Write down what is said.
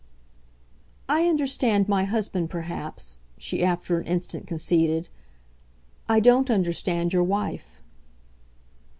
"I understand my husband perhaps," she after an instant conceded. "I don't understand your wife."